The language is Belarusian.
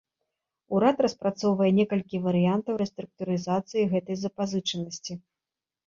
Урад распрацоўвае некалькі варыянтаў рэструктурызацыі гэтай запазычанасці.